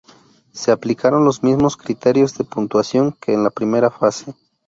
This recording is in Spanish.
Se aplicaron los mismos criterios de puntuación que en la primera fase.